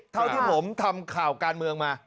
เท่าที่ผมทำข่าวการเมืองมา